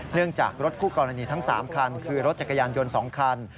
จากรถคู่กรณีทั้ง๓คันคือรถจักรยานยนต์๒คัน